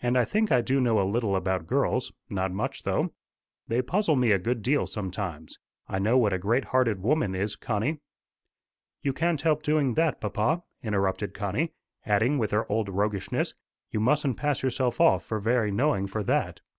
And I think I do know a little about girls not much though. They puzzle me a good deal sometimes. I know what a great hearted woman is, Connie." "You can't help doing that, papa," interrupted Connie, adding with her old roguishness, "You mustn't pass yourself off for very knowing for that.